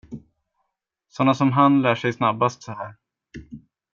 Såna som han lär sig snabbast så här.